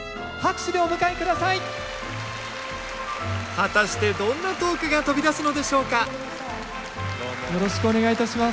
果たしてどんなトークが飛び出すのでしょうかよろしくお願いいたします。